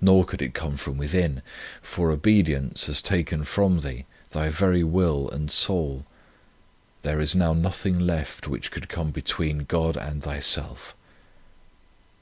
Nor could it come from within, for obedience has taken from thee thy very will and soul. There is now nothing left which could come between God and thyself.